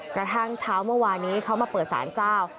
กระทั่งเช้าเมื่อวานนี้เขามาเปิดสารเจ้า